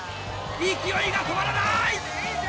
勢いが止まらない！